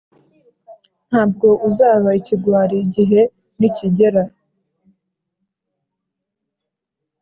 nta bwo uzaba ikigwari igihe nikigera.